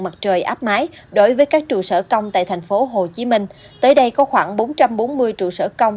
mặt trời áp mái đối với các trụ sở công tại tp hcm tới đây có khoảng bốn trăm bốn mươi trụ sở công